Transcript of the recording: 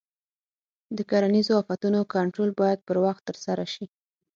د کرنیزو آفتونو کنټرول باید پر وخت ترسره شي.